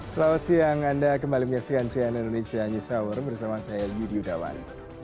selamat siang anda kembali menyaksikan cnn indonesia news hour bersama saya yudi yudawan